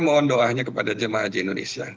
mohon doanya kepada jemaah haji indonesia